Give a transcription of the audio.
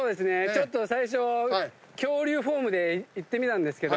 最初恐竜フォームでいってみたんですけど。